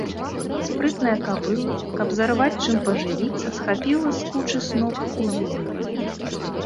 Спрытная кабыла, каб зарваць чым пажывіцца, схапіла з кучы сноп у зубы.